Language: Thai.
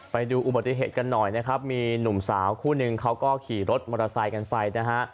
ไปดูอุบัติเหตุกันหน่อยนะครับมีหนุ่มสาวคู่นึงเขาก็ขี่รถมอเตอร์ไซค์กันไปนะฮะ